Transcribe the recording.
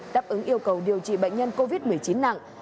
đáp ứng yêu cầu điều trị bệnh nhân covid một mươi chín nặng